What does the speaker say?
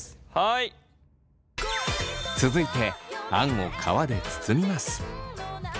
続いてあんを皮で包みます。